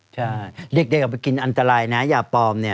ใช่เด็กออกไปกินอันตรายนะยาปลอมเนี่ย